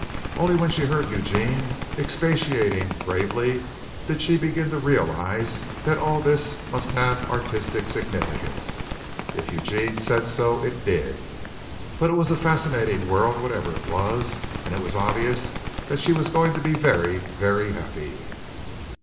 Only when she heard Eugene expatiating gravely did she begin to realize that all this must have artistic significance. If Eugene said so it did. But it was a fascinating world whatever it was, and it was obvious that she was going to be very, very happy.